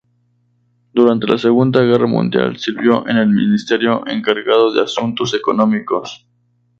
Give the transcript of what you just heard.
Durante la Segunda Guerra Mundial sirvió en el ministerio encargado de asuntos económicos.